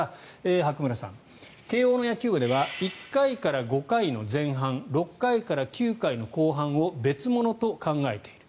白村さん、慶応の野球部では１回から５回の前半６回から９回の後半を別物と考えている。